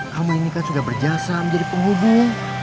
kamu ini kan sudah berjasa menjadi penghubung